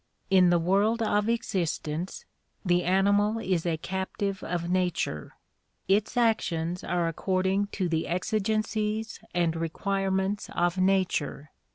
In the world of existence the animal is a captive of nature. Its actions are according to the exigencies and requirements of na ture.